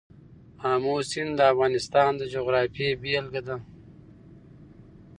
آمو سیند د افغانستان د جغرافیې بېلګه ده.